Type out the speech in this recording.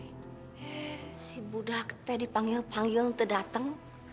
eh si budak teh dipanggil panggil ntar datang